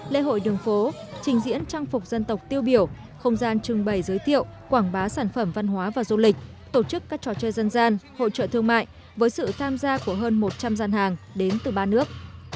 lễ hội đường phố trình diễn trang phục dân tộc tiêu biểu không gian trưng bày giới thiệu quảng bá sản phẩm văn hóa và du lịch tổ chức các trò chơi dân gian hỗ trợ thương mại với sự tham gia của hơn một trăm linh gian hàng đến từ ba nước